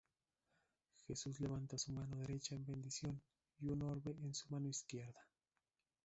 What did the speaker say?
Jesús levanta su mano derecha en bendición y un orbe en su mano izquierda.